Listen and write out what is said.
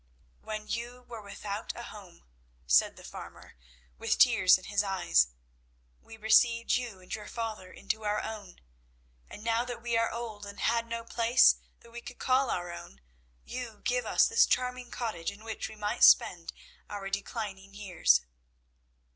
"When you were without a home," said the farmer, with tears in his eyes, "we received you and your father into our own, and now that we are old and had no place that we could call our own, you give us this charming cottage in which we might spend our declining years."